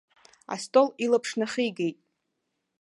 Астол илаԥш нахигеит.